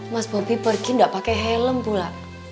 mas bobby pergi enggak pakai helm pula